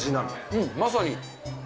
うん、まさに。